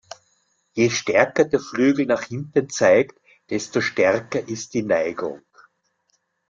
Je stärker der Flügel nach hinten zeigt, desto stärker ist die Neigung.